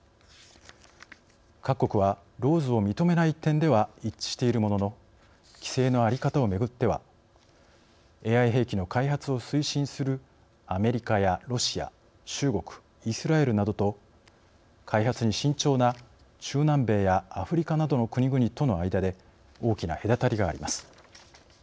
各国はＬＡＷＳを認めない点では一致しているものの規制の在り方をめぐってはＡＩ兵器の開発を推進するアメリカやロシア中国イスラエルなどと開発に慎重な中南米やアフリカなどの国々との間で大きな隔たりがあります。